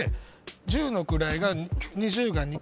十の位が２０が２個。